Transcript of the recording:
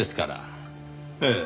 ええ。